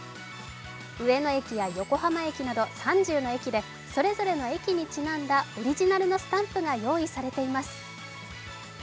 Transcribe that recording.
上野駅や横浜駅など３０の駅でそれぞれの駅にちなんだオリジナルのスタンプが用意されています。